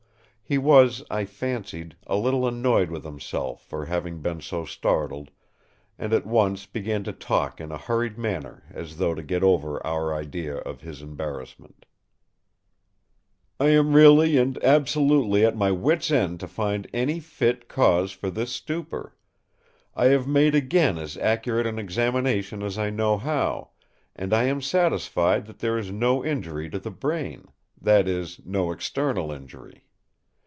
He was, I fancied, a little annoyed with himself for having been so startled, and at once began to talk in a hurried manner as though to get over our idea of his embarrassment: "I am really and absolutely at my wits' end to find any fit cause for this stupor. I have made again as accurate an examination as I know how, and I am satisfied that there is no injury to the brain, that is, no external injury.